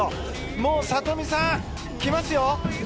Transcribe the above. もう聡美さん、来ますよ！